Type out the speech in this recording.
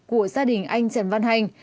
của gia đình anh trần văn hành